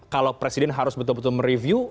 kalau presiden harus betul betul mereview